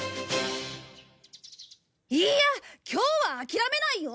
いいや今日は諦めないよ！